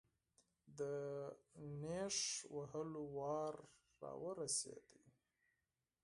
د نېش وهلو وار راورسېد.